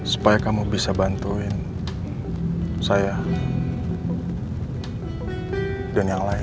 supaya bibir kamu tidak pucat lagi